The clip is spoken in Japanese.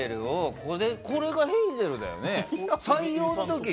これがヘイゼルだよね。